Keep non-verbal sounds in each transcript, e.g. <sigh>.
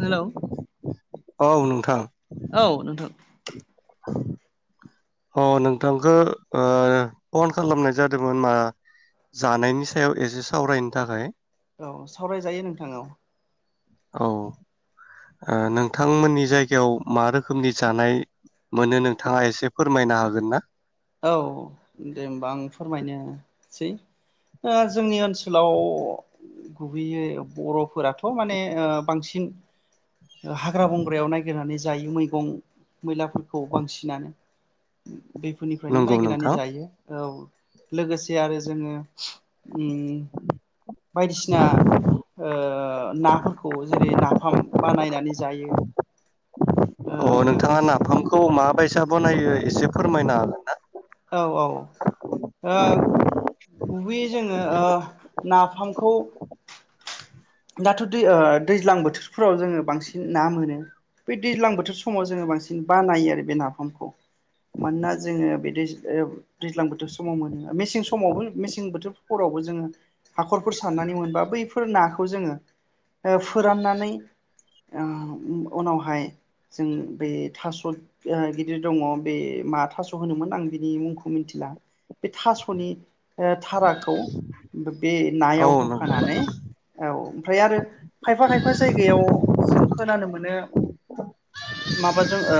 Hello औ नोंथां औ नोंथां। <unintelligible> अ नोंथांखौ फन खालामनाय जादोंमोन मा जानायनि सायाव एसे सावरायनो थाखाय औ सावरायजायो नोंथां औ औ ओ नोंथांमोननि जायगायाव मा रोखोमनि जानाय मोनो नोंथाङा एसे फोरमायनो हागोन ना औ दे होमबा आ फोरमायनोसै ओ जोंनि ओनसोलाव गुबैयै बर'फोराथ माने ओ बांसिन ओ हाग्रा बंग्रायाव नायगिरनानैस जायो मैगं मैलाफोरखौ बांसिनानो बे दुखुनिफ्रायनो नंगौ नायगिरनानै नोंथां जायो औ लोगोसे आरो जोङो ओम बायदिसिना ओ नाफोरखौ जेरै नाफाम बानायनानै जायो। ओ अ नोंथाङा लोगोसे नाफामखौ माबायसा बनायो एसे फोरमायना हागोन ना औ औ ओ गुबैयै जोङो ओ नाफामखौ दाथ' दै दैज्लां बोथोरफोराव जोङो बांसिन ना मोनो ब दैज्लां बोथोर समाव जोङो बांसिन बानायो आरो बे नाफामखौ मानोना जोङो बे दै दैज्लां बोथोर समाव मोनो मेसें समावबो मेसें बोथोरफोरावबो जोङो हाखरफोर सारनानै मोनबा बैफोर नाखौ खौ जोङो ओ फोराननानै ओ उनावहाय जों बे थास गिदिर दङ बे मा थास होनोमोन आं बिनि मुंखौ मिथिला बे थासनि थाराखौ बे नायाव हागोन औ होफानानै औ ओमफ्राय आरो खायफा खायफा जायगायाव जों खोनानो मोनो माबाजों ओ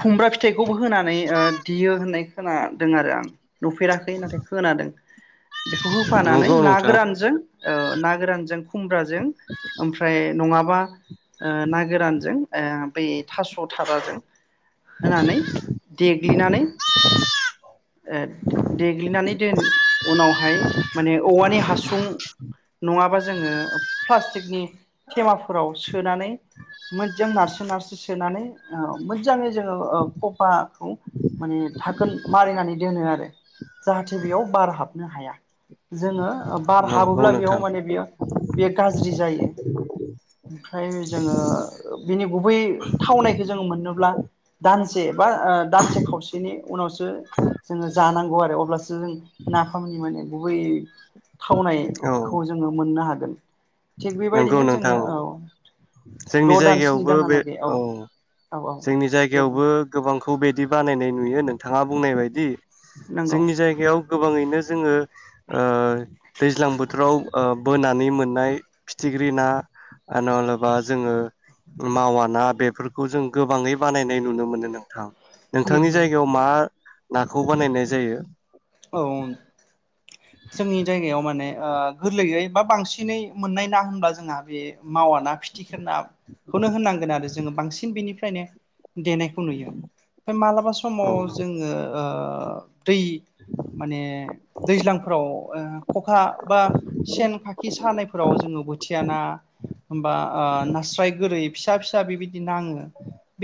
खुमब्रा फिथाइखौबो होनानै ओ देयो होननाय खोनादों आरो आं नुफेराखै नाथाय खोनादों बेखौ होफानानै नंगौ ना नोंथां गोरानजों ओ ना गोरानजों खुब्राजों नङाब्ला बा ओ ना गोरानजों ओ बै थास' थाराजों होनानै देग्लिनानै ओ देग्लिनानै दोन उनावहाय माने औवानि हासुं नङाबा जोङो प्लास्टिकनि थेमाफोराव सोनानै मोजां नारसि नारसिन सोनानै मोजाङै जोङो खफाखौ माने थाखोन मारिनानै दोनो आरो जाहाथे बेयाव बार हाबनो हाया। जोङो बार नंगौ हाबोब्ला बेयाव नोंथां माने बियो बेयो गाज्रि जायो ओमफ्राय जोङो बिनि गुबै थावनायखौ जोङो मोननोब्ला दानसे बा ओ दानसे खावसेनि उनावसो जोङो जानांगौ आरो अब्लासो जों नाफामनि माने गुबै औ थावनायखौ जोङो मोननो हागोन थिग नंगौ बेबायदिनो जोङो नोंथां औ जोंनि द' दान स्नि जायगायावबो बे दानालागै औ औ औ जोंनि दे बुं जायगायावबो गोबांखौ अबेदि बानायनाय नुयो नोंथाङा बुंनाय बायदि नंगौ जोंनि जायगायाव गोबाङैनो जोंङो ओ दैज्लां बोथोराव ओ बोना नै मोननाय फिथिग्रि ना ओ नल बा जोङो मावाना बेफोरखौ जों गोबाङै बानायनाय नुनो मोनो नोंथां। नोंथांनि नोंगौ जायगायाव मा नाखौ बानायनाय जायो। औ जोंनि जायगायाव माने ओ गोरलैयै बा बांसिनै मोननाय ना होनबा जोंहा बे मावा ना फिथिखानो नाखौनो होननांगोन आरो जों जोङो बांसिन बेनिफ्रायनो देनायखौ नुयो ओमफ्राय मालाबा औ समाव जोङो ओ दै माने दैज्लां खखा बा सेन खाखि सानायफोराव जोङो बोथिया ना होमबा नास्राय गोरै फिसा फिसा बिबादि बिदि नाङो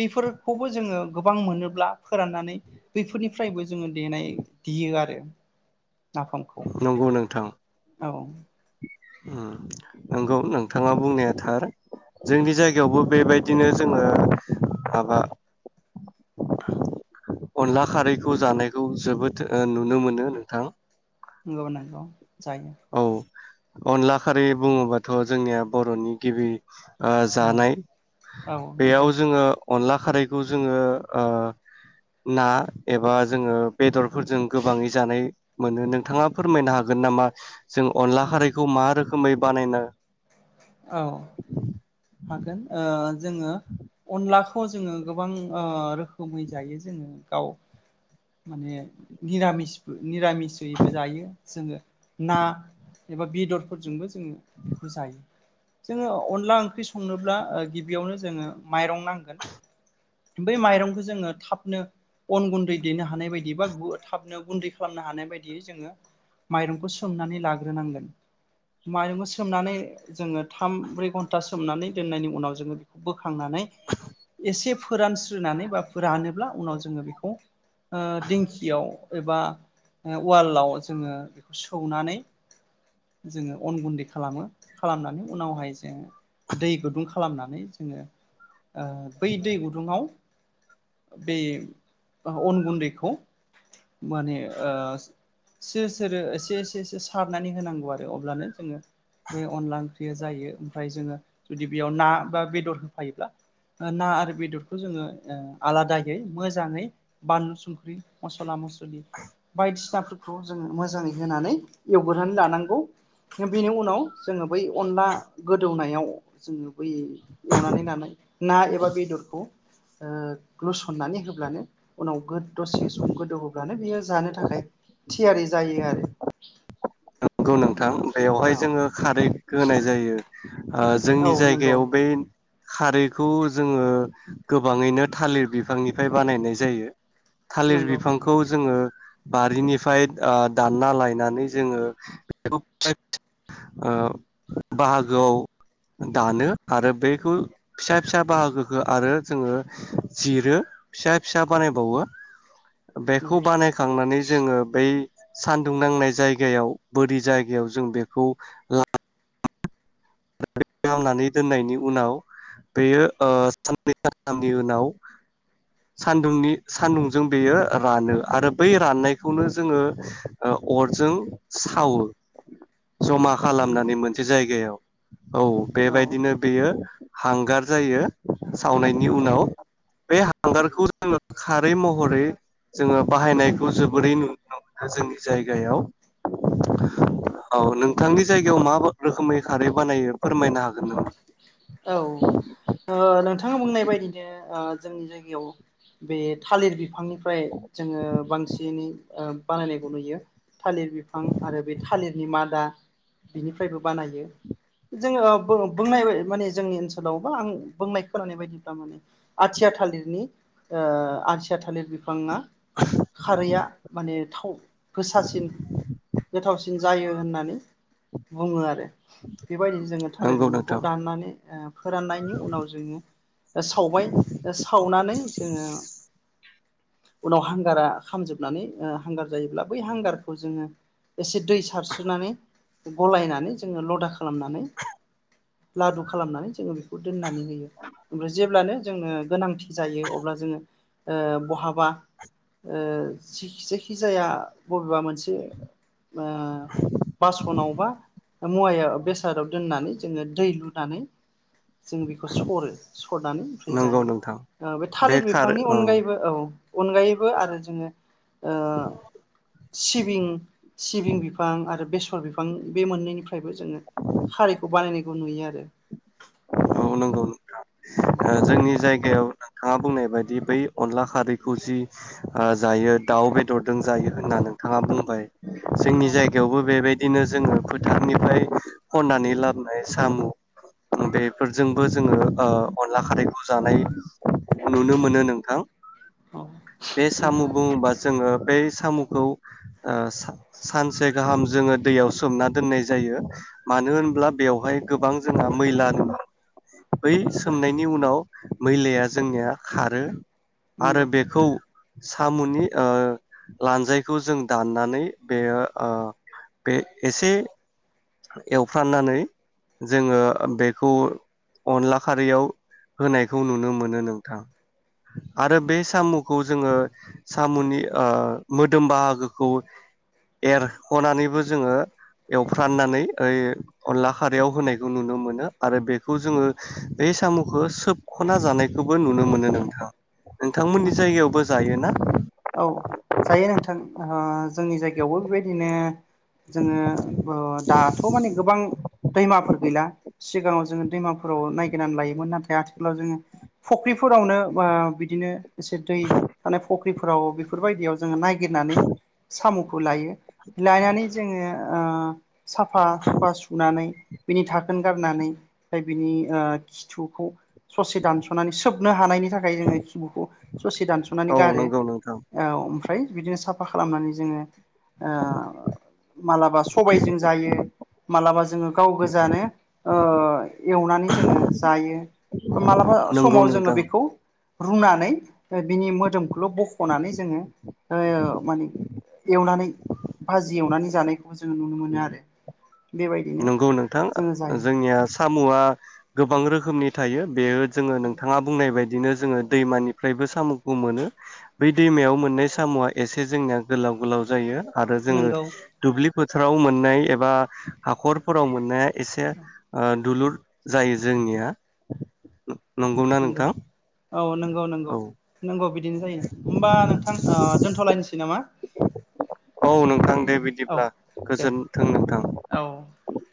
बेफोर खौबो जोङो गोबां मोनोब्ला फोराननानै बैफोरनिफ्रायबो जोङो देनाय देयो आरो। नाफामखौ नंगौ नोंथां। औ ओम नंगौ नोंथाङा बुंनाया थार जोंनि जायगायावबो बेबायदिनो जोङो माबा आ अनला खारैखौ जानायखौ जोबोद नुनो ओ मोनो नोंथां अनलाखौ जायो। औ अनला खारि बुङोबाथ' जोंनिया बर'नि गिबि ओ औ जानाय औ बेयाव नंगौ जोङो अनला खारैखौ जोङो ओ ना एबा जोङो बेदरफोरजों गोबाङै जानाय मोननो नों नोंथाङा फोरमायनो हागोन नामा? जों अनला खारैखौ मा रो खोमै बानायना औ हागोन ओ जोङो अनला खौ जोङो गोबां ओ रोखोमै जायो जोङो दाउ माने मिरामिसबो। निरामिसैबो जायो। जोङो ना एबा बेदरफोरजोंबो जोङो बेखौ जायो जोङो अनला ओंख्रि संनोब्ला ओ गिबियावनो जोङो माइरं नांगोन बै माइरंखौ जोङो थाबनो अन गुन्दै देनो हानाय बायदि बा थाबनो गुन्दै खालामनो हानाय बायदियै जोङो माइरंखौ सोमनानै लाग्रोनांगोन माइरंखौ सोमनानै जोङो थाम ब्रै घन्टा सोमनानै दोननायनि उनाव जोङो बोखांनानै एसे फोरानस्रिनानै बा रानोब्ला उनाव जोङो बेखौ ओ दिंखियाव एबा उवालाव जोङो सौनानै जोङो अन गुन्दै खालामो। खालामनानै उनावहाय जे दै गुदुं खालामनानै जोङो आ बै दै गुदुङाव बे अन गुन्दैखौ माने ओ सोर सोरो ओसेसेसे सारनानै होनांगौ आरो अब्लानो जोङो बे अनला ओंख्रिया जायो ओमफ्राय जोङो जुदि बेयाव ना बा बेदर होफायोब्ला ओ ना आरो बेदरखौ जोङो आलादायै मोजाङै बानलु संख्रि मसला मस्लि बायदिसिनाफोरखौ जोङो मोजाङै होनानै एवगोरनानै लानांगौ बेनि उनाव जोङो बै अनला गोदौनायाव जोङो बै यो एवनानै लानाय ना एबा बेदरखौ ओ लुसननानै होब्लानो उनाव दसे सम गोदौ होब्लानो बियो जानो थाखाय थियारि जायो आरो। नोंगौ नोंथां बेयावहाय औ जोङो खारै होनाय जायो। <unintelligible> आं जोंनि औ नंगौ जायगायाव बे खारैखौ जोङो गोबाङैनो थालिर बिफांनिफ्राय बानायनाय जायो। थालिर नंगौ बिफांखौ जोङो बारिनिफ्राय ओ दानना लायनानै जोङो <unintelligible> ओ बाहागोआव दानो आरो बेखौ फिसा फिसा बाहागोखौ आरो जोङो जिरो फिसा फिसा बानायबावो बेखौ नंगौ बानायखांनानै जोङो बै सान्दुं नांनाय जायगायाव बोरि जायगायाव जों बेखौ ला लामनानै दोननायनि उनाव बेयो ओ साननै सानथामनि उनाव सानदुंनि सान्दुंजों बेयो रानो आरो बै राननायखौनो जोङो ओ अरजों सावो। जमा नंगौ खालामनानै मोनसे जायगायाव। औ औ बेबायदिनो बेयो हांगार जायो सावनायनि उनाव बे हांगारखौ जोङो खारै महरै जोङो बाहायनायखौ जोबोरै नुनो मोनो जोंनि जायगायाव औ नोंथांनि जायगायाव मा रोखोमै खारै बानायो? फोरमायनो हागोन नामा? औ ओ नोंथां नोंथाङा बुंनाय बायदिनो ओ जोंनि जायगायाव बे थालिर बिफांनिफ्राय जोङो बांसिनै ओ बानायनायखौ नुयो थालिर बिफां आरो बे थालिरनि मादा बिनिफ्रायबो बानायो जोङो बो बुंनाय माने जोंनि ओनसोलावबा आं बुंनाय खोनानाय बायदिब्ला माने आथिया थालिरनि ओ आथिया थालिर बिफांना खारैया माने थाव गोसासिन गोथावसि जायो होननानै बुङो आरो। बेबायदिनो जोङो थालिर नंगौ बिफांखौ नोंथां दाननानै फोराननायनि उनाव जोङो सावबाय सावनानै जोङो उनाव हांगारा खामजोबनानै हांगार जायोब्ला बै हांगारखौ जोङो एसे दै सारस्रोनानै गलायनानै जोङो लदा खालामनानै लादु खालामनानै जोङो बेखौ दोननानै होयो ओमफ्राय जेब्लानो जोंनो गोनांथि जायो अब्ला जोंङो ओ बहाबा ओ जि जेखि जाया बबेबा मोन मोनसे ओ बासनाव बा मुवायाव बेसादाव दोननानै जोङो दै लु नानै जों बिखौ सरो सरनानै ओमफ्राय नंगौ जायो नोंथां ओ बे थालिर खार बिफांनि औ अनगायैबो औ अनगायैबो आरो जोङो ओ सिबिं सिबिं बिफां आरो बेसर बिफां बे मोननैनिफ्रायबो जोङो खारैखौ बानायनायखौ नुयो आरो। औ नोंगौ औ ओ जोंनि जाय गायाव नोंथाङा बुंनाय बायदि बै अनला खारैखौ जि ओ जायो दाउ बेदरदों जायो होनना नोंथाङा बुंबाय। जोंनि नंगौ जायगायावबो बेबायदि बिदिनो जोङो फोथारनिफ्राय खननानै लाबोनाय साम' बे फोरजोंबो जोङो आ अनला खारैखौ जानाय नुनो मोनो नोंथां। औ बे सामु नंगौ बुङोबा जोङो बे सामुखौ ओ सा-सानसे गाहाम जोङो दैयाव सोमना दोननाय जायो मानो होनब्ला बेवहाय गोबां जोंहा मैला दं। बै सोमनायनि उनाव मैलाया जोंनिया खारो आरो नंगौ बेखौ सामुनि ओ लानजायखौ जों दाननानै बेयो ओ बे एसे एवफ्राननानै जोङो बेखौ अनला खारैयाव होनायखौ नुनो मोनो नोंथां आरो बे सामुखौ जोङो सामुनि ओ मोदोम बाहागोखौ एरखनानैबो जोङो एवफ्राननानै ओइ अनला खारैयाव होनायखौ नुनो मोनो आरो बे खु जोङो बे सामुखो सोबख'ना जानायखौबो नुनो मोनो नोंथां। नोंथांमोननि नंगौ। जायगायावबो जायोना? औ जायो नोंथां आ जोंनि जायगायावबो बेबायदिनो जोङो ओ दाथ' माने गोबां दैमाफोर गैला। सिगाङाव जोङो दैमाफोराव नायगिरनानै लायोमोन नाथाय आथिखालाव जोङो फुख्रिफोरावनो ओ बिदिनो एसे दै थानाय फख्रिफोराव बेफोरबायदियाव जोङो नायगिरनानै साम' फुलायो लायनानै जोङो ओ साफा सुफा सुनानै बिनि थाखोन गारनानै बिनि खिथुखौ ससे दानस'नानै सोबनो हानायनि थाखाय जोङो खिबुखौ ससे दानस'नानै औ गारो नंगौ नोंथां औ आमफाय बिदिनो साफा खालामनानै जोङो ओ मालाबा सबायजों जायो मालाबा जोङो गाव गोजानो ओ एवनानै जोङो जायो मालाबा नंगौ समाव जोङो नोंथां बेखौ रुनानै ओ बिनि मोदोमखौल' बख'नानै, जोङो ओ माने एवनानै भाजि एवनानै जानायखौ जोङो नुनो मोनो आरो। बेबायदिनो नंगौ नोंथां जोङो जायो जोंनिया साम'आ गोबां रोखोमनि थायो बेयो जोङो नोंथाङा बुंनाय बायदि। बिदिनो जोङो दैमानिफ्रायबो साम'खौ मोनो बै दैमायाव मोननाय साम'आ एसे जोंनिया गोलाव गोलाव जायो। आरो जोङो नंगौ दुब्लि फोथाराव मोननाय एबा हाखरफोराव मोननाय। एसे। ओ दुलुर जायो जोंनिया। नंगौना नंगौ नोंथां? औ नंगौ नंगौ औ नंगौ, बिदि बिदिनो जायो होमबा नोंथां, ओ दोनथ'लनोसै नामा? औ नोंथां दे औ बिदिब्ला दे गोजोनथों नोंथां। औ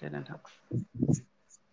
दे नोंथां। <unintelligible>